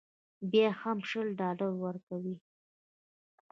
بیا به هم شل ډالره ورکوې.